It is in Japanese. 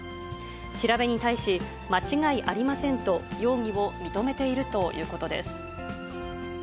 調べに対し、間違いありませんと、容疑を認めているということです。